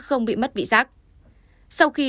không bị mất bị sát sau khi